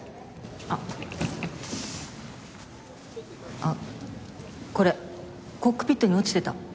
あっこれコックピットに落ちてた。